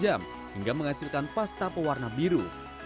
sehingga menghasilkan pasta pewarna biru